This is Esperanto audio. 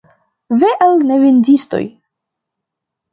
Ve al nevendistoj!